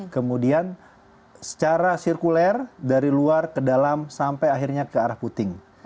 kemudian secara sirkuler dari luar ke dalam sampai akhirnya ke arah puting